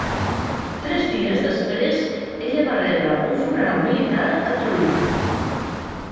Tres dies després, ella va rebre un funeral militar a Trull.